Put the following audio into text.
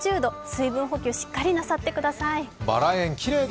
水分補給、しっかりなさってください。